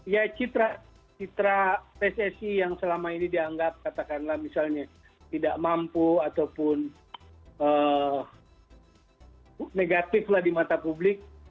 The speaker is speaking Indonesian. ya citra pssi yang selama ini dianggap katakanlah misalnya tidak mampu ataupun negatif lah di mata publik